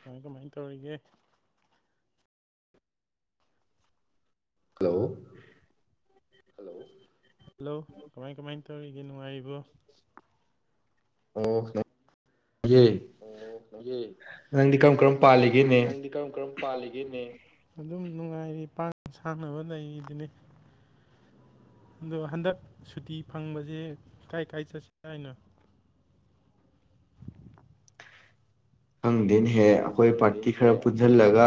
ꯀꯃꯥꯏꯟ ꯀꯃꯥꯏꯟ ꯇꯧꯔꯤꯒꯦ ꯍꯂꯣ ꯍꯜꯂꯣ ꯍꯜꯂꯣ ꯀꯃꯥꯏ ꯀꯃꯥꯏ ꯇꯧꯔꯤꯒꯦ ꯅꯨꯡꯉꯥꯏꯔꯤꯕꯣ ꯑꯣ ꯑꯣ ꯅꯪꯗꯤ ꯅꯪꯗꯤ ꯀꯔꯝ ꯀꯔꯝ ꯄꯥꯜꯂꯤꯒꯦꯅꯦ ꯑꯗꯨꯝ ꯅꯨꯡꯉꯥꯏꯔꯤ ꯄꯥꯡꯅ ꯁꯥꯟꯅꯕ ꯂꯩꯔꯤꯗꯨꯅꯤ ꯑꯗꯣ ꯍꯟꯗꯛ ꯁꯨꯇꯤ ꯐꯪꯕꯁꯦ ꯀꯥꯏ ꯀꯥꯏ ꯆꯠꯁꯤ ꯍꯥꯏꯅꯣ ꯈꯪꯗꯦꯅꯦ ꯍꯦ ꯑꯩꯈꯣꯏ ꯄꯥꯔꯇꯤ ꯈꯔ ꯄꯨꯟꯁꯤꯜꯂꯒ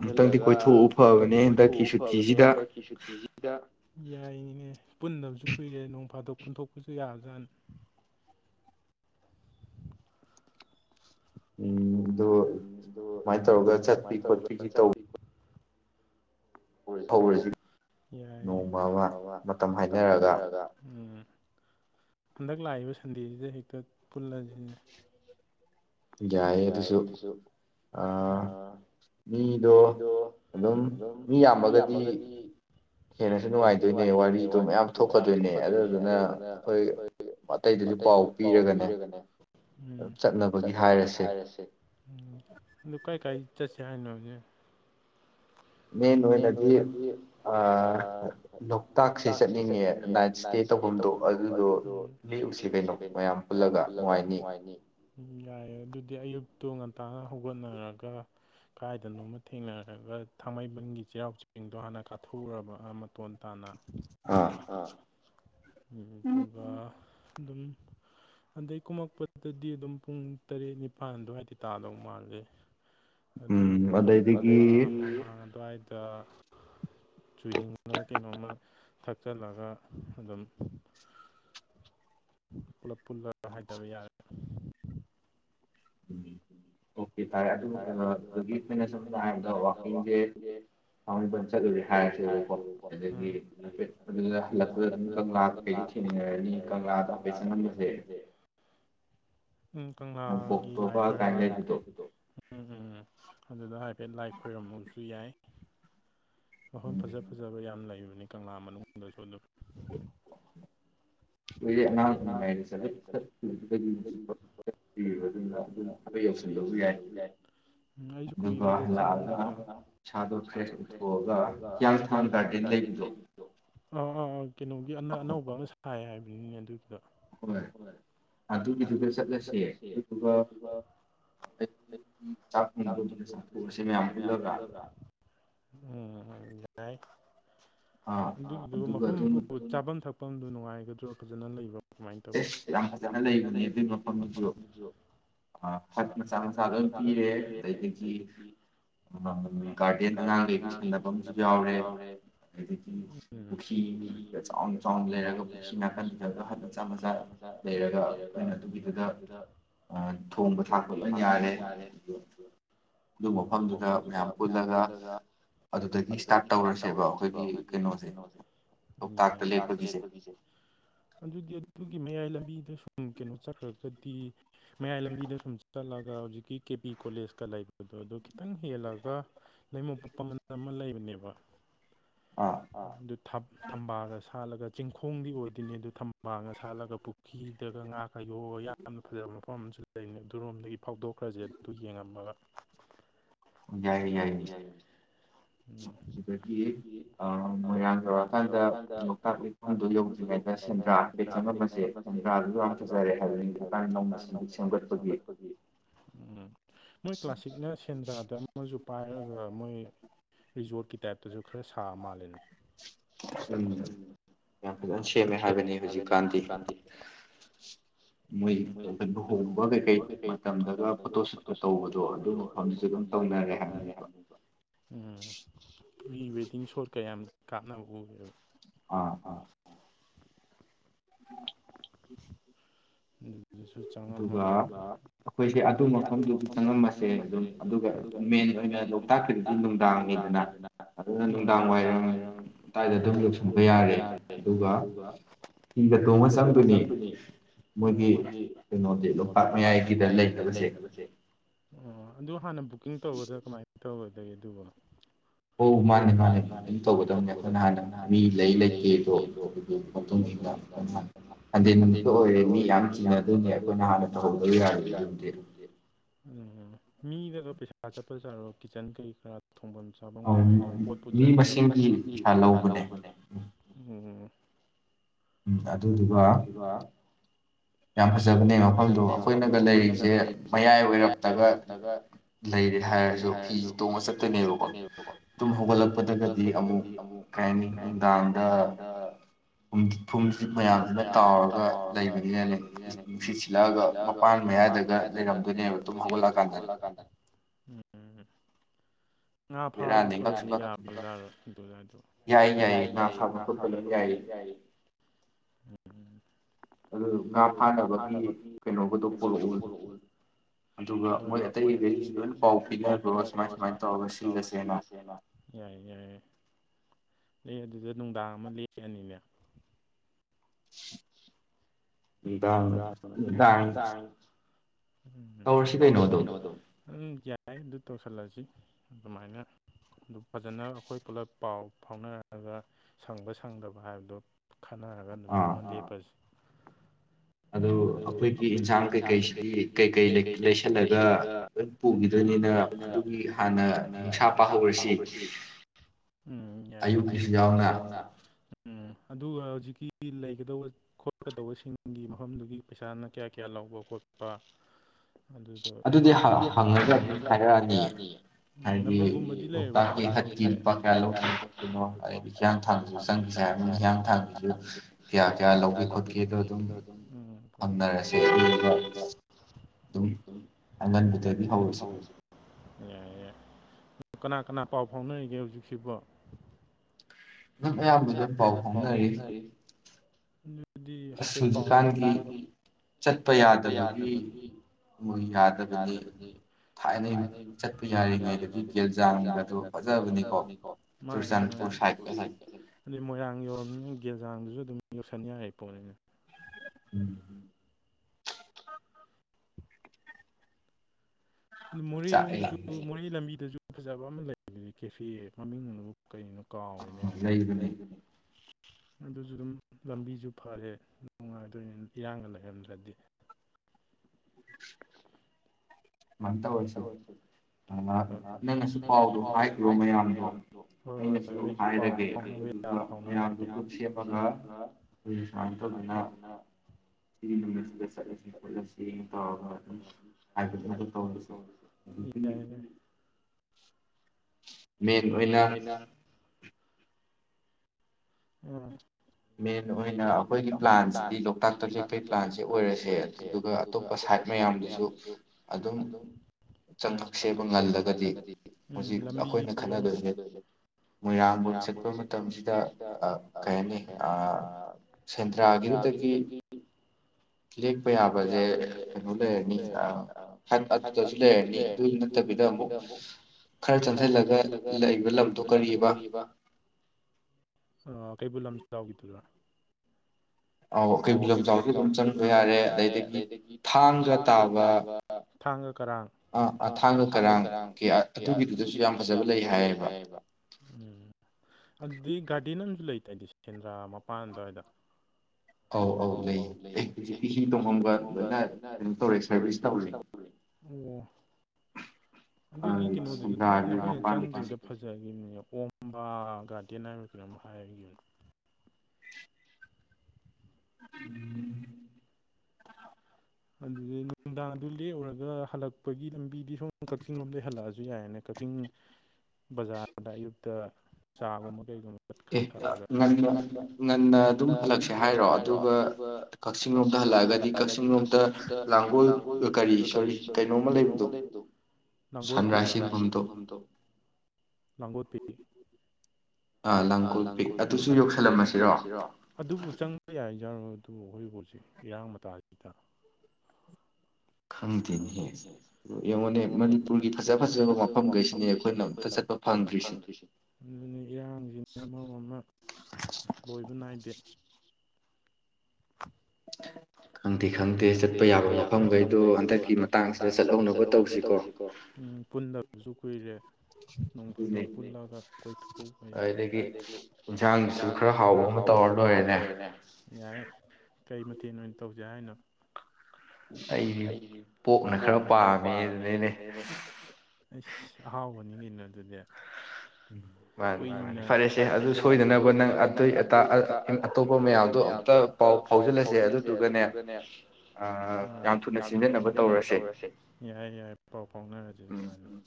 ꯑꯃꯨꯛꯇꯪꯗꯤ ꯀꯣꯏꯊꯣꯛꯎ ꯐꯕꯅꯦ ꯍꯟꯗꯛꯀꯤ ꯁꯨꯇꯤꯁꯤꯗ ꯍꯟꯗꯛꯀꯤ ꯁꯨꯇꯤꯁꯤꯗ ꯌꯥꯏꯅꯦ ꯉꯦ ꯄꯨꯟꯗꯕꯁꯨ ꯀꯨꯏꯔꯦ ꯅꯣꯡ ꯐꯥꯗꯣꯛ ꯄꯨꯟꯊꯣꯛꯄꯁꯨ ꯌꯥꯕꯖꯥꯠꯅꯤ ꯎꯝ ꯑꯗꯨ ꯀꯃꯥꯏꯅ ꯇꯧꯔꯒ ꯆꯠꯄꯤ ꯈꯣꯠꯄꯤꯒꯤ ꯇꯧꯕ ꯇꯧꯔꯁꯤ ꯀꯩꯅꯣ ꯌꯥꯏ ꯅꯣꯡꯃ ꯑꯃ ꯃꯇꯝ ꯍꯥꯏꯅꯔꯒ ꯎꯝ ꯍꯟꯗꯛ ꯂꯥꯛꯏꯕ ꯁꯟꯗꯦꯁꯤꯗ ꯍꯦꯛꯇ ꯄꯨꯜꯂꯁꯤꯅꯦ ꯌꯥꯏꯌꯦ ꯑꯗꯨꯁꯨ ꯑ ꯃꯤꯗꯣ ꯑꯗꯨꯝ ꯃꯤ ꯌꯥꯝꯃꯒꯗꯤ ꯍꯦꯟꯅ ꯑꯗꯨ ꯅꯨꯡꯉꯥꯏꯗꯣꯏꯅꯦ ꯋꯥꯔꯤꯗꯣ ꯃꯌꯥꯝ ꯊꯣꯛꯀꯗꯣꯏꯅꯦ ꯑꯗꯨꯗꯨꯅ ꯑꯩꯈꯣꯏ ꯑꯇꯩꯗꯨꯁꯨ ꯄꯥꯎ ꯄꯤꯔꯒꯅꯦ ꯎꯝ ꯆꯠꯅꯕꯒꯤ ꯍꯥꯏꯔꯁꯦ ꯑꯗꯨ ꯀꯥꯏ ꯀꯥꯏ ꯆꯠꯁꯦ ꯍꯥꯏꯅꯣ ꯍꯧꯖꯤꯛ ꯃꯦꯟ ꯑꯣꯏꯅꯗꯤ ꯑ ꯂꯣꯛꯇꯥꯛꯁꯦ ꯆꯠꯅꯤꯡꯉꯦ ꯅꯥꯏꯠ ꯏꯁꯇꯦ ꯇꯧꯐꯝꯗꯣ ꯑꯗꯨꯗꯣ ꯆꯠꯂꯨꯁꯤ ꯀꯩꯅꯣ ꯃꯌꯥꯝ ꯄꯨꯜꯂꯒ ꯅꯨꯡꯉꯥꯏꯅꯤ ꯌꯥꯏꯦ ꯑꯗꯨꯗꯤ ꯑꯌꯨꯛꯇꯣ ꯉꯟꯇꯥꯅ ꯍꯧꯒꯠꯅꯔꯒ ꯀꯥꯏꯗꯅꯣꯝ ꯊꯦꯡꯅꯔꯒ ꯊꯥꯡꯃꯩ ꯏꯕꯟꯒꯤ ꯆꯩꯔꯥꯎ ꯆꯦꯡꯗꯣ ꯍꯥꯟꯅ ꯀꯥꯊꯣꯛꯔꯕ ꯃꯇꯣꯟ ꯇꯥꯅ ꯎ ꯑꯗꯨꯒ ꯑꯗꯨꯝ ꯑꯗꯩ ꯀꯨꯝꯃꯛꯄꯗꯗꯤ ꯑꯗꯨꯝ ꯄꯨꯡ ꯇꯔꯦꯠ ꯅꯤꯄꯥꯜ ꯑꯗꯨꯋꯥꯏꯗꯗꯤ ꯇꯥꯗꯧ ꯃꯥꯜꯂꯦ ꯑꯗꯨꯒ ꯑꯗꯨꯋꯥꯏꯗ ꯆꯨꯍꯤꯡ ꯑꯃ ꯀꯩꯅꯣꯝꯃ ꯊꯛꯆꯤꯜꯂꯒ ꯑꯗꯨꯝ ꯄꯨꯂꯞ ꯄꯨꯜꯂ ꯍꯥꯏꯗꯕ ꯌꯥꯔꯦ ꯎꯝ ꯑꯣꯀꯦ ꯇꯥꯔꯦ ꯑꯗꯨ ꯑꯗꯨꯒꯤ ꯑꯩꯈꯣꯏꯅ ꯁꯝꯅ ꯍꯥꯏꯔꯕꯗ ꯋꯥꯛꯀꯤꯡꯁꯦ ꯊꯥꯡꯃꯩꯄꯟ ꯆꯠꯂꯨꯔꯦ ꯍꯥꯏꯔꯁꯦꯕꯀꯣ ꯑꯗꯒꯤ ꯍꯥꯏꯐꯦꯠ ꯑꯗꯨꯗ ꯍꯜꯂꯛꯄꯗ ꯑꯗꯨꯝ ꯀꯪꯂꯥ ꯀꯩ ꯊꯦꯡꯅꯔꯅꯤ ꯀꯪꯂꯥꯗ ꯍꯥꯏꯐꯦꯠ ꯆꯪꯍꯟꯕꯁꯦ [inaudible] ꯎꯝ ꯀꯪꯂꯅꯥꯒꯤ ꯂꯥꯏ [unintelligible] ꯎꯝ ꯎꯝ ꯎꯝ ꯑꯗꯨꯗ ꯍꯥꯏꯐꯦꯠ ꯂꯥꯏ ꯈꯣꯏꯔꯝꯃꯕꯁꯨ ꯌꯥꯏ ꯃꯐꯝ ꯐꯖ ꯐꯖꯕ ꯌꯥꯝ ꯂꯩꯕꯅꯤ ꯀꯪꯂꯥ ꯃꯅꯨꯡꯗꯁꯨ ꯑꯗꯨꯝ ꯎ ꯑꯩꯗꯤ ꯑꯉꯥꯡ ꯑꯣꯏꯅ ꯆꯠꯕꯗꯒꯤ ꯆꯠꯄꯤꯕ ꯑꯗꯨꯅ ꯑꯗꯨꯝ ꯑꯩꯏ ꯌꯧꯁꯤꯟꯂꯧꯕ ꯌꯥꯏ ꯎꯝ ꯑꯩꯁꯨ ꯀꯨꯏꯔꯦꯗ ꯆꯪꯉꯦ ꯀ ꯁꯥꯗꯣ ꯐ꯭ꯔꯦꯁ ꯑꯣꯏꯊꯣꯛꯑꯒ ꯍꯤꯌꯥꯡꯊꯥꯡ ꯒꯥꯔꯗꯦꯟ ꯂꯩꯕꯗꯣ ꯑꯥ ꯑꯥ ꯑꯥ ꯀꯩꯅꯣꯒꯤ ꯑꯅ ꯑꯅꯧꯕ ꯑꯃ ꯁꯥꯏ ꯍꯥꯏꯕꯅꯤꯅꯦ ꯑꯗꯨꯒꯤꯗꯣ ꯍꯣꯏ ꯑꯗꯨꯒꯤꯗꯨꯒ ꯆꯠꯂꯁꯦ ꯑꯗꯨꯗꯨꯒ ꯆꯥꯛ ꯇꯣ ꯆꯀ ꯑꯁꯤ ꯃꯈ ꯂꯒ ꯎꯝ ꯎꯝ ꯌꯥꯏ ꯑꯗꯨ ꯃꯐꯝꯕꯨ ꯆꯥꯐꯝ ꯊꯛꯐꯝꯗꯨ ꯅꯨꯡꯉꯥꯏꯒꯗ꯭ꯔꯥ ꯐꯖꯅ ꯂꯩꯕ ꯀꯨꯃꯥꯏꯅ ꯇꯧꯒꯦ ꯌꯥꯝ ꯐꯖꯅ ꯂꯩꯕꯅꯦ ꯑꯗꯨꯒꯤ ꯃꯐꯝꯗꯨꯁꯨ ꯍꯛ ꯃꯆꯥ ꯃꯆꯥ ꯂꯝ ꯄꯤꯔꯦ ꯑꯗꯒꯤ ꯎ ꯒꯥꯔꯗꯦꯟ ꯑꯉꯥꯡꯈꯩꯈꯩ ꯁꯥꯟꯅꯕ ꯑꯃꯁꯨ ꯌꯥꯎꯔꯦ ꯑꯗꯒꯤ ꯄꯨꯈꯤ ꯆꯥꯎꯅ ꯆꯥꯎꯅ ꯂꯩꯔꯒ ꯄꯨꯈꯤ ꯅꯥꯀꯟꯗꯨꯗꯒ ꯍꯜꯂꯨ ꯃꯆꯥ ꯃꯆꯥ ꯂꯩꯔꯒ ꯑꯩꯈꯣꯏꯅ ꯇꯒꯤꯗꯨꯗ ꯊꯣꯡꯕ ꯊꯥꯛꯄ ꯂꯣꯏ ꯌꯥꯔꯦ ꯑꯗꯨ ꯃꯐꯝꯗꯨꯗ ꯃꯌꯥꯝ ꯄꯨꯜꯂꯒ ꯑꯗꯨꯗꯒꯤ ꯏꯁꯇꯥꯔꯠ ꯇꯧꯔꯁꯦꯕ ꯑꯩꯈꯣꯏꯒꯤ ꯀꯩꯅꯣꯁꯦ ꯊꯞ ꯀꯥꯛꯇ ꯂꯦꯈꯕꯗꯤꯖꯦ ꯑꯗꯨꯗꯤ ꯑꯗꯨꯒꯤ ꯃꯌꯥꯏ ꯂꯝꯕꯤꯗ ꯁꯨꯝ ꯀꯩꯅꯣ ꯆꯠꯈ꯭ꯔꯒꯗꯤ ꯃꯌꯥꯏ ꯂꯝꯕꯤꯗ ꯁꯨꯝ ꯆꯠꯂꯒ ꯍꯧꯖꯤꯛꯀꯤ ꯀꯦ ꯄꯤ ꯀꯣꯂꯦꯖꯀ ꯂꯩꯕꯗꯣ ꯑꯗꯨꯗꯣ ꯈꯤꯇꯪ ꯍꯦꯜꯂꯒ ꯃ ꯃꯄ ꯄꯥꯃꯜ ꯑꯃ ꯂꯩꯕꯅꯦꯕ ꯑꯗꯨ ꯊꯝꯕꯥꯒꯁꯨ ꯁꯥꯠꯂꯒ ꯆꯤꯡꯈꯣꯡꯗꯤ ꯑꯣꯏꯗꯣꯏꯅꯤ ꯑꯗꯨ ꯊꯝꯕꯥꯜꯒ ꯁꯥꯠꯂꯒ ꯄꯨꯈ꯭ꯔꯤꯗꯒ ꯉꯥꯛ ꯀꯌꯣꯒ ꯌꯥꯝꯅ ꯐꯖꯕ ꯃꯐꯝ ꯑꯃꯁꯨ ꯂꯩꯅꯤ ꯑꯗꯨꯔꯣꯝꯗꯒꯤ ꯐꯥꯎꯗꯣꯛꯈ꯭ꯔꯁꯦ ꯑꯗꯨꯗꯨ ꯌꯦꯡꯉꯝꯃꯒ ꯌꯥꯏꯌꯦ ꯌꯥꯏꯌꯦ ꯑ ꯃꯣꯏꯔꯥꯡ ꯌꯧꯔꯀꯥꯟꯗ ꯂꯣꯛꯇꯥꯛ ꯂꯦꯛꯐꯝꯗꯨꯣ ꯌꯧꯗ꯭ꯔꯤꯉꯩꯗ ꯁꯦꯟꯗ꯭ꯔꯥꯄꯦꯠ ꯆꯪꯉꯝꯝꯕꯁꯦ ꯁꯦꯟꯗ꯭ꯔꯥ ꯀꯖ꯭ꯔꯥꯁꯨ ꯌꯥꯝ ꯐꯖꯔꯦ ꯍꯥꯏꯕꯅꯤ ꯑꯗꯨꯀꯥꯟ ꯅꯧꯅꯁꯤꯡꯗꯨ ꯁꯦꯝꯒꯠꯄꯒꯤ ꯃꯣꯏ ꯀ꯭ꯂꯥꯁꯤꯛꯅ ꯁꯦꯟꯗ꯭ꯔꯥꯗ ꯑꯃꯁꯨ ꯄꯥꯏꯔꯒ ꯃꯣꯏ ꯔꯤꯖꯣꯔꯠꯀꯤ ꯇꯥꯏꯞꯇꯨꯁꯨ ꯈꯔ ꯁꯥ ꯃꯥꯜꯂꯦꯅ ꯎꯝ ꯌꯥꯝ ꯐꯖꯅ ꯁꯦꯝꯃꯦ ꯍꯥꯏꯕꯅꯤ ꯍꯧꯖꯤꯛꯀꯥꯟꯗꯤ ꯎꯝ [unintelligible] ꯂꯨꯍꯣꯡꯕ ꯀꯩꯀꯩ ꯃꯇꯝꯗꯒ ꯐꯣꯇꯣ ꯁꯨꯠ ꯇꯧꯕꯗꯣ ꯑꯗꯨ ꯃꯐꯝꯅꯤ ꯇꯅꯔꯦ ꯎꯝ ꯄ꯭ꯔꯤ ꯋꯦꯗꯤꯡ ꯁꯣꯔꯠ ꯀꯌꯥꯝ ꯀꯥꯞꯅꯕ ꯎꯋꯦꯕ ꯑꯥ ꯑꯝ ꯎ ꯎꯝ ꯑꯗꯨꯁꯨ ꯆꯪꯉꯝꯃꯒ ꯑꯩꯈꯣꯏꯁꯦ ꯑꯇꯣꯞ ꯃꯐꯝꯗꯨꯗꯤ ꯆꯪꯉꯝꯂꯁꯦ ꯑꯗꯨꯝ ꯑꯗꯨꯒ ꯃꯦꯟ ꯑꯣꯏꯅ ꯂꯣꯛꯇꯥꯛꯀꯤꯗꯗꯤ ꯅꯨꯡꯗꯥꯡꯒꯤꯗꯅ ꯑꯗꯨꯅ ꯅꯨꯡꯗꯥꯡ ꯋꯥꯏꯔꯝ ꯑꯗꯨꯋꯥꯏꯗ ꯑꯗꯨꯝ ꯌꯣꯛ ꯁꯨꯡꯕ ꯌꯥꯔꯦ ꯑꯗꯨꯒ ꯐꯤꯒ ꯇꯣꯡꯉ ꯆꯪꯗꯨꯣꯏꯅꯤ ꯎꯝ ꯑꯩꯈꯣꯏꯒꯤ ꯀꯩꯅꯣꯗꯤ ꯂꯣꯛꯇꯥꯛ ꯃꯌꯥꯏꯒꯤꯗ ꯂꯩꯅꯕꯁꯦ ꯑꯣ ꯑꯗꯨ ꯍꯥꯟꯅ ꯕꯨꯛꯀꯤꯡ ꯇꯧꯒꯗ꯭ꯔꯥ ꯀꯃꯥꯏꯅ ꯇꯧꯔꯗꯒꯦ ꯑꯗꯨꯒ ꯑꯣ ꯃꯥꯅꯦ ꯃꯥꯅꯦ ꯑꯗꯨꯝ ꯇꯧꯒꯗꯕꯅꯦ ꯑꯩꯈꯣꯏꯅ ꯍꯥꯟꯅ ꯃꯤ ꯂꯩ ꯂꯩꯇꯦꯗꯣ ꯑꯗꯨꯒꯤ ꯃꯇꯨꯡ ꯏꯟꯅ ꯑꯩꯈꯣꯏꯅ ꯍꯥꯟꯅ ꯍꯟꯗꯦꯟ ꯅꯨꯃꯤꯠꯇ ꯑꯣꯏꯔꯦ ꯃꯤ ꯌꯥꯝ ꯆꯤꯟꯅꯗꯣꯏꯅꯤ ꯑꯩꯈꯣꯏꯅ ꯍꯥꯟꯅ ꯇꯧꯍꯧꯗꯕ ꯌꯥꯔꯣꯏꯣꯏ ꯑꯗꯨꯝꯗꯤ ꯎꯝ ꯃꯤꯗꯒ ꯄꯩꯁꯥ ꯆꯠꯄ ꯆꯥꯔꯣ ꯀꯤꯠꯆꯟ ꯀꯩ ꯀꯔꯥ ꯊꯣꯡꯐꯝ ꯆꯥꯐꯝ ꯀꯃꯥꯏꯅꯣ ꯃꯁꯤꯡꯒꯤ ꯄꯩꯁꯥ ꯂꯧꯕꯅꯦ ꯎꯝ ꯎꯝ ꯑꯗꯨꯗꯨꯒ ꯌꯥꯝ ꯐꯖꯕꯅꯦ ꯃꯐꯝꯗꯨꯣ ꯑꯩꯈꯣꯏꯅꯒ ꯂꯩꯔꯤꯕꯔꯤꯁꯦ ꯃꯌꯥꯏ ꯑꯣꯏꯔꯛꯇꯒ ꯂꯩꯔꯦ ꯍꯥꯏꯔꯁꯨ ꯐꯤꯁꯨ ꯇꯣꯡꯉ ꯆꯠꯇꯣꯏꯅꯦꯕꯀꯣ ꯇꯨꯝ ꯍꯧꯒꯠꯂꯛꯄꯒꯗꯤ ꯑꯃꯨꯛ ꯀꯩ ꯍꯥꯏꯅꯤ ꯅꯨꯡꯗꯥꯡꯗ ꯐꯨꯝꯁꯤ ꯃꯌꯥꯝꯁꯤꯅ ꯇꯥꯎꯔꯒ ꯂꯩꯕꯅꯤ ꯍꯥꯏꯅ ꯅꯨꯡꯁꯤꯠ ꯁꯤꯜꯂꯛꯑꯒ ꯃꯄꯥꯟ ꯃꯌꯥꯏꯗꯒ ꯂꯩꯔꯝꯗꯣꯏꯅꯦꯕ ꯑꯗꯨꯝ ꯍꯧꯒꯠꯂꯛꯑꯀꯥꯟꯗꯅ ꯎꯝ ꯉꯥ ꯐꯥꯕꯒ ꯄꯨꯔꯛꯅꯤ ꯌꯥꯕ꯭ꯔꯖꯥꯔꯣ ꯑꯗꯨꯖꯗꯣ ꯌꯥꯏ ꯌꯥꯏ ꯉꯅꯥꯁꯥꯗ ꯈꯨꯛꯇꯂ ꯌꯥꯏ ꯑꯗꯨ ꯉꯥ ꯐꯥꯅꯕꯒꯤ ꯀꯩꯅꯣꯒꯗꯣ ꯄꯂꯛꯎꯅꯦ ꯑꯗꯨꯒ ꯃꯣꯏ ꯑꯇꯩ ꯒꯥꯔꯤꯁꯤ ꯂꯣꯏꯅ ꯄꯥꯎ ꯄꯤꯅꯈ꯭ꯔꯒ ꯁꯨꯃꯥꯏ ꯁꯨꯃꯥꯏꯅ ꯇꯧꯔꯒ ꯁꯤꯂꯁꯦꯅ ꯌꯥꯏ ꯌꯥꯏ ꯂꯩ ꯑꯗꯨꯗ ꯅꯨꯡꯗꯥꯡ ꯑꯃ ꯂꯦꯛꯑꯅꯤꯅꯦ ꯗ ꯝ ꯑꯔ ꯁꯤ ꯀꯥꯏꯅ ꯃ ꯃꯇꯝꯝ ꯑꯗꯨꯝ ꯌꯥꯏ ꯑꯗꯨ ꯇꯧꯁꯤꯜꯂꯁꯤ ꯑꯗꯨꯃꯥꯏꯅ ꯑꯗꯨ ꯐꯖꯅ ꯑꯩꯈꯣꯏ ꯄꯨꯂꯞ ꯄꯥꯎ ꯐꯥꯎꯅꯔꯛꯑꯒ ꯁꯪꯕ ꯁꯪꯗꯕ ꯍꯥꯏꯕꯗꯨ ꯈꯟꯅꯔꯒ ꯅꯨꯃꯤꯠ ꯑꯃ ꯂꯦꯞꯄꯁꯤ ꯑꯗꯨ ꯑꯩꯈꯣꯏꯒꯤ ꯏꯟꯁꯥꯡ ꯀꯩꯀꯩꯁꯤꯗꯤ ꯀꯩꯀꯩ ꯂꯩꯁꯜꯂꯒ ꯂꯣꯏ ꯄꯨꯈꯤ ꯑꯗꯨꯅꯤꯅ ꯑꯗꯨꯒꯤ ꯍꯥꯟꯅ ꯤꯡꯁꯥ ꯄꯥꯍꯧꯔꯁꯤ ꯎꯝ ꯎꯝ ꯑꯗꯨꯒ ꯍꯧꯖꯤꯛꯀꯤ ꯂꯩꯒꯗꯧꯕ ꯈꯣꯠꯀꯗꯧꯕꯁꯤꯡ ꯒꯤ ꯃꯐꯝꯗꯨꯒꯤ ꯄꯩꯁꯥꯅ ꯀꯌꯥ ꯀꯌꯥ ꯂꯧꯕ ꯈꯣꯠꯄ ꯑꯗꯨꯗꯣ ꯅꯝꯕꯔꯒꯨꯝꯕꯗꯤ ꯂꯩꯌꯦꯕꯣ ꯀꯃꯥꯏꯅ ꯊꯠꯈꯤ ꯂꯨꯄꯥ ꯀꯌꯥ ꯂꯧꯈꯤꯕꯅꯣ ꯑꯗꯤ ꯍꯤꯌꯥꯡꯊꯥꯡꯁꯨ ꯆꯪꯈꯤꯁꯦ ꯍꯥꯏꯕꯅ ꯍꯤꯌꯥꯡꯊꯥꯡꯒꯤꯁꯨ ꯀꯌꯥ ꯀꯌꯥ ꯂꯧꯒꯦ ꯈꯣꯠꯀꯦ ꯑꯗꯨꯣ ꯑꯗꯨꯝ ꯎꯝ ꯑꯗꯨꯝ ꯑꯉꯟꯕꯗꯒꯤ ꯍꯧꯔꯁꯤꯕ ꯌꯥꯏ ꯌꯥꯏ ꯀꯅꯥ ꯀꯅꯥ ꯄꯥꯎ ꯐꯥꯎꯅꯔꯤꯒꯦ ꯍꯧꯖꯤꯛꯁꯤꯕ ꯅꯪ ꯑꯌꯥꯝꯕ ꯑꯗꯨ ꯄꯥꯎ ꯐꯥꯎꯅꯔꯤ ꯗꯤ ꯍꯥꯏꯐꯦꯠ ꯄꯥꯎ ꯆꯠꯄ ꯌꯥꯗꯕꯒꯤ ꯑꯣꯏ ꯌꯥꯗꯕꯅꯤ ꯊꯥꯏꯅ ꯑ ꯆꯠꯄ ꯌꯥꯔꯤꯉꯩꯗꯗꯤ ꯒꯦꯜꯖꯥꯡꯒ ꯑꯗꯨꯣ ꯐꯖꯕꯅꯤꯀꯣ ꯆꯨꯔꯆꯥꯟꯄꯨꯔ ꯁꯥꯏ ꯑꯗꯩ ꯃꯣꯏꯔꯥꯡ ꯌꯧꯔꯕꯅꯤꯅ ꯒꯦꯜꯖꯥꯡꯗꯨꯁꯨ ꯑꯗꯨꯝ ꯌꯧꯁꯤꯟ ꯌꯥꯔ ꯄꯣꯠꯅꯤꯅ ꯎꯝ ꯑꯗꯨ ꯃꯣꯔꯦꯔꯣꯝꯗꯁꯨ ꯃꯣꯔꯦ ꯂꯝꯕꯤꯗꯁꯨ ꯐꯖꯕ ꯑꯃ ꯂꯩꯕꯗꯤ ꯀꯦꯐꯦ ꯃꯃꯤꯡꯕꯨ ꯀꯅꯣ ꯀꯥꯎꯔꯤꯅꯦ ꯑꯗꯨꯁꯨ ꯑꯗꯨꯝ ꯂꯝꯕꯤꯁꯨ ꯐꯔꯦ ꯅꯨꯡꯉꯥꯏꯗꯣꯏꯅꯤ ꯏꯔꯥꯡꯅ ꯂꯩꯔꯝꯗ꯭ꯔꯗꯤ [unintelligible] [unintelligible] ꯃꯥꯟ ꯇ ꯑꯣꯏꯣꯏꯁ ꯅꯪꯅꯁꯨ ꯄꯥꯎꯗꯣ ꯍꯥꯏꯈ꯭ꯔꯣ ꯃꯌꯥꯝꯗꯣ ꯑꯩꯅꯁꯨ ꯍꯥꯏꯔꯒꯦ ꯑꯗꯨꯒꯤ ꯀꯌꯥ ꯐꯥꯎꯅꯍꯔ ꯀꯌꯥ ꯒ꯭ꯔꯨꯞ ꯁꯦꯝꯃꯒ ꯑꯗꯨ ꯁꯨꯃꯥꯏꯅ ꯇꯧꯗꯅ ꯁꯤꯒꯤ ꯅꯨꯃꯤꯠꯁꯤꯗ ꯆꯠꯂꯁꯤ ꯈꯣꯠꯂꯁꯤꯅ ꯇꯧꯔꯒ ꯑꯗꯨꯝ ꯍꯥꯏꯕ ꯑꯗꯨ ꯃꯦꯟ ꯑꯣꯏꯅ ꯎꯝ ꯃꯦꯟ ꯑꯣꯏꯅ ꯑꯩꯈꯣꯏꯒꯤ ꯄ꯭ꯂꯥꯟꯁꯤꯗꯤ ꯂꯣꯛꯇꯥꯛꯇ ꯂꯦꯛꯄꯒꯤ ꯄ꯭ꯂꯥꯟꯁꯦ ꯑꯣꯏꯔꯁꯦ ꯑꯗꯨꯗꯨꯒ ꯑꯇꯣꯞꯄ ꯁꯥꯏꯠ ꯃꯌꯥꯝꯗꯨꯁꯨ ꯑꯗꯨꯝ ꯆꯪꯉꯛꯁꯦꯕ ꯉꯜꯂꯒꯗꯤ ꯍꯧꯖꯤꯛ ꯑꯩꯈꯣꯏꯅ ꯈꯟꯅꯗꯣꯏꯁꯦ ꯃꯣꯏꯔꯥꯡꯐꯧ ꯆꯠꯄ ꯃꯇꯝꯁꯤꯗ ꯀꯩ ꯍꯥꯏꯅꯤ ꯁꯦꯟꯗ꯭ꯔꯥꯒꯤꯗꯨꯗꯒꯤ ꯂꯦꯛꯄ ꯌꯥꯕꯁꯦ ꯀꯩꯅꯣ ꯂꯩꯔꯅꯤ ꯑꯗꯨꯗꯁꯨ ꯂꯩꯔꯅꯤ ꯑꯗꯨ ꯅꯠꯇꯕꯤꯗ ꯄꯤꯗꯕꯨ ꯈꯔ ꯆꯪꯁꯤꯜꯂꯒ ꯂꯩꯕ ꯂꯝꯗꯣ ꯀꯔꯤꯔꯤꯕ ꯀꯩꯕꯨꯜ ꯂꯝ ꯆꯥꯎꯈꯤꯗꯨꯗ ꯑ ꯑꯩꯈꯣꯏꯕꯨ ꯂꯝꯖꯥꯎꯁꯤꯗꯤ ꯑꯗꯨꯝ ꯆꯪꯕ ꯌꯥꯔꯦ ꯑꯗꯩꯗꯒꯤ ꯊꯥꯡꯒ ꯇꯥꯕ ꯊꯥꯡꯒ ꯀꯔꯥꯡ ꯑꯥ ꯑ ꯊꯥꯡꯒ ꯀꯔꯥꯡ ꯀ ꯑꯗꯨꯒꯤꯗꯨꯗꯁꯨ ꯌꯥꯝ ꯐꯖꯕ ꯂꯩ ꯍꯥꯏꯌꯦꯕ [unintelligible] ꯑꯗꯨꯗꯤ ꯒꯥꯔꯗꯦꯟ ꯑꯃꯁꯨ ꯂꯩꯇ ꯍꯥꯏꯗꯤ ꯁꯦꯟꯗ꯭ꯔꯥ ꯃꯄꯥꯟ ꯑꯗꯨꯋꯥꯏꯗ ꯑꯧ ꯑꯧ ꯂꯩꯌꯦ ꯑꯦ ꯍꯧꯖꯤꯛꯇꯤ ꯍꯤ ꯇꯣꯡꯐꯝꯒ ꯂꯣꯏꯅ ꯀꯩꯅꯣ ꯇꯧꯔꯦ ꯁꯥꯔꯚꯤꯁ ꯇꯧꯔꯦ ꯑꯗꯨꯒ ꯑꯗꯨꯒꯤ ꯀꯩꯅꯣꯗꯨꯁꯨ ꯊꯥꯏꯅ ꯑꯩꯈꯣꯏꯅ ꯆꯪꯈꯤꯕꯗ ꯐꯖꯈꯤꯕꯅꯦ ꯑꯣꯝꯕ ꯒꯥꯔꯗꯦꯟ ꯍꯥꯏ ꯀ꯭ꯔꯝꯍꯌꯔ ꯌꯠ ꯎꯝ ꯎꯝ ꯑꯗꯨꯗꯤ ꯅꯨꯡꯗꯥꯡꯗꯨ ꯂꯦꯛꯎꯔꯒ ꯍꯜꯂꯛꯄꯒꯤ ꯂꯝꯕꯤꯗꯤ ꯁꯨꯝ ꯀꯛꯆꯤꯡ ꯂꯣꯝꯗꯒꯤꯩ ꯍꯜꯂꯛꯑꯁꯨ ꯌꯥꯏꯑꯅ ꯀꯛꯆꯤꯡ ꯕꯖꯥꯔꯗ ꯑꯌꯨꯛꯇ ꯆꯥꯒꯨꯝꯕ ꯀꯩꯒꯨꯝꯕ ꯈꯔ ꯊꯛꯂ ꯉꯟꯅ ꯑꯗꯨꯝ ꯍꯜꯂꯛꯁꯦ ꯍꯥꯏꯔꯣ ꯑꯗꯨꯒ ꯀꯛꯆꯤꯡ ꯔꯣꯝꯗ ꯍꯜꯂꯑꯒꯗꯤ ꯀꯛꯤꯡ ꯔ ꯀꯛꯆꯣꯗ ꯂꯥꯡꯒꯣꯜ ꯀꯔꯤ ꯁꯣꯔꯤ ꯀꯩꯅꯣꯝꯃ ꯂꯩꯕꯗꯣ ꯅꯪꯣꯄꯤ ꯅꯪꯣꯇꯄꯤꯤ ꯑ ꯂꯥꯡꯈꯣꯏ ꯑꯗꯨꯁꯨ ꯌꯧꯁꯤꯜꯜꯂꯝꯁꯤꯔꯣ ꯑꯗꯨꯕꯨ ꯆꯕ ꯌꯥꯏ ꯑꯗꯨ ꯍꯧꯖꯤꯛꯐꯣꯠꯁꯤ ꯏꯔꯥꯡ ꯃꯇꯥꯁꯤꯗ ꯈꯪꯗ ꯅꯍꯦꯁ ꯌꯦꯡꯉꯣꯅꯦ ꯃꯅꯤꯄꯨꯔꯒꯤ ꯐꯖ ꯐꯖꯕ ꯃꯐꯝꯈꯩꯁꯤꯅꯦ ꯑꯩꯈꯣꯏꯅ ꯑꯝꯇ ꯆꯠꯄ ꯐꯪꯗ꯭ꯔꯤꯁꯦ ꯑꯗꯨꯅꯤ ꯏꯔꯥꯡꯁꯤꯅ ꯑꯃꯝ ꯑꯃ ꯂꯣꯏꯕ ꯅꯥꯏꯗꯦ [unintelligible] ꯈꯪꯗꯦ ꯈꯪꯗꯦ ꯆꯠꯄ ꯌꯥꯕ ꯃꯐꯝꯈꯩꯗꯣ ꯍꯟꯗꯛꯀꯤ ꯃꯇꯥꯡꯁꯤꯗ ꯆꯠꯍꯧꯅꯕ ꯇꯧꯁꯤꯀꯣ ꯄꯨꯟꯗꯕꯁꯨ ꯀꯨꯏꯔꯦ ꯅꯣꯡ ꯐꯥꯗ ꯄꯨꯜꯂꯒ ꯀꯣꯏꯊꯕ ꯌꯥꯏ ꯑꯗꯨꯗꯒꯤ ꯏꯟꯁꯥꯡꯁꯨ ꯈꯔ ꯍꯥꯎ ꯂꯣꯏꯔꯦ ꯌꯥꯏ ꯀꯩ ꯃꯊꯦꯜ ꯑꯣꯏꯅ ꯇꯧꯁꯦ ꯍꯥꯏꯅꯣ ꯑꯩꯗꯤ ꯄꯣꯛꯅ ꯈꯔ ꯄꯥꯝꯃꯦ ꯑꯗꯨꯅꯩꯅꯦ ꯑꯩꯁ ꯑꯍꯥꯎꯕꯅꯤ ꯀꯩꯅꯣ ꯑꯗꯨꯗꯤ ꯎꯝ ꯃꯥꯅꯤ ꯃꯥꯅꯤ ꯐꯔꯦꯁꯦ ꯑꯗꯨ ꯁꯣꯏꯗꯅꯕ ꯅꯪ ꯑꯗꯨꯏ ꯑꯗꯥ ꯑꯥ ꯑꯝ ꯑꯇꯣꯞꯄ ꯃꯌꯥꯝꯗꯣ ꯑꯝꯇ ꯄꯥꯎ ꯐꯥꯎꯖꯤꯜꯂꯁꯦ ꯑꯗꯨꯗꯨꯒꯅꯦ ꯑꯥ ꯌꯥꯝ ꯊꯨꯅ ꯁꯤꯟꯖꯟꯅꯕ ꯇꯧꯔꯁꯦ ꯎꯝ ꯎꯝ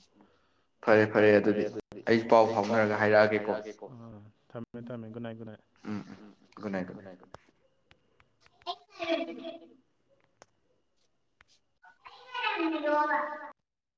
ꯐꯔꯦ ꯐꯔꯦ ꯑꯗꯨꯗꯤ ꯑꯩ ꯑꯩ ꯄꯥꯎ ꯐꯥꯎꯅꯔꯒ ꯍꯥꯏꯔꯛꯑꯒꯦꯀꯣ ꯑꯥ ꯊꯝꯃꯦ ꯊꯝꯃꯦ good night good night um um good night good night [unintelligible] [unintelligible]